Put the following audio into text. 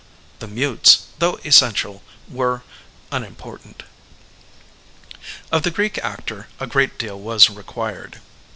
The mutes, though essential, were nnimporatnt. Of the Greek actor a great deal was required.